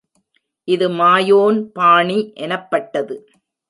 இது மாயோன் பாணி எனப்பட்டது.